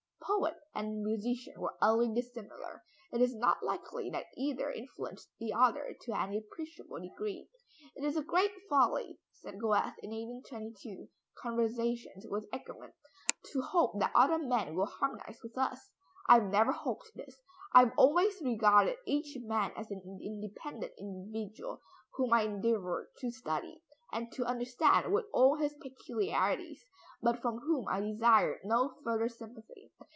Poet and musician were utterly dissimilar; it is not likely that either influenced the other to any appreciable degree. "It is a great folly," said Goethe in 1824 (Conversations with Eckermann) "to hope that other men will harmonize with us. I have never hoped this. I have always regarded each man as an independent individual, whom I endeavored to study, and to understand with all his peculiarities, but from whom I desired no further sympathy.